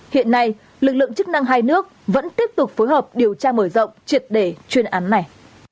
hiện nay lực lượng chức năng hai nước vẫn tiếp tục phối hợp điều tra mở rộng triệt đề chuyên án này